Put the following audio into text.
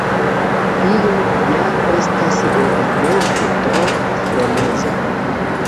Tio ja estas evidente tro freneza!